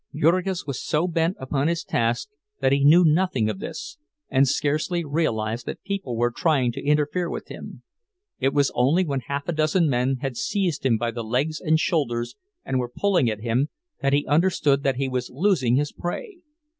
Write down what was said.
Jurgis was so bent upon his task that he knew nothing of this, and scarcely realized that people were trying to interfere with him; it was only when half a dozen men had seized him by the legs and shoulders and were pulling at him, that he understood that he was losing his prey.